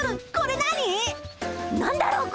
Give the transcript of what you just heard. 何だろう？